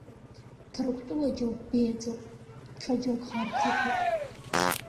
Ҭырқәтәыла џьоук беиаӡоуп, ҽа џьоук ӷарӡақәоуп.